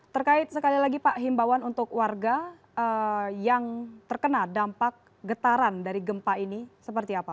terkait sekali lagi pak himbawan untuk warga yang terkena dampak getaran dari gempa ini seperti apa